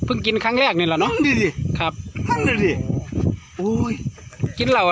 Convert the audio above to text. พึ่งกินครั้งแรกเนี่ยหรอเนาะ